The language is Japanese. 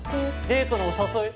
デートのお誘い？